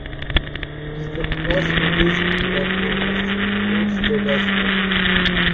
It is the first release under the famous "Rogue Traders" logo.